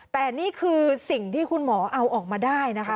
แต่นี่คือสิ่งที่คุณหมอเอาออกมาได้นะคะ